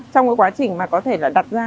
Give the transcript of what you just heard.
trong cái quá trình mà có thể là đặt ra